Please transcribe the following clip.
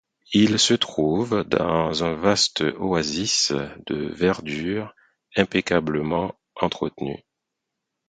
Il se trouve dans un vaste oasis de verdure impeccablement entretenu.